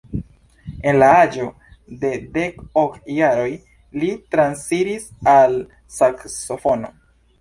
En la aĝo de dek ok jaroj li transiris al saksofono.